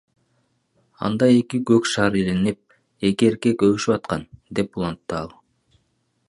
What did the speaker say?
Анда эки көк шар илинип, эки эркек өбүшүп жаткан, — деп улантты ал.